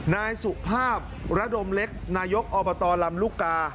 นายสุภาพระดมเล็กนายกอบตลำลูกกา